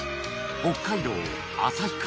北海道旭川